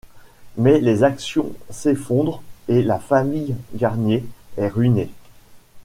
Mais les actions s'effondrent et la famille Garnier est ruinée.